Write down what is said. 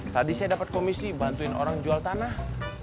tadi saya dapat komisi bantuin orang jual tanah